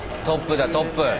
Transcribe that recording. トップだトップ。